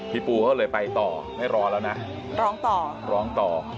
พี่ปูเขาเลยไปต่อไม่รอแล้วนะร้องต่อ